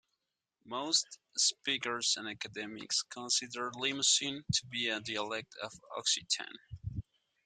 Most speakers and academics consider Limousin to be a dialect of Occitan.